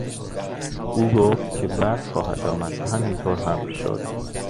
او گفت که برف خواهد آمد و همین طور هم شد!